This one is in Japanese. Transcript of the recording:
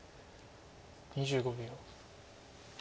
２５秒。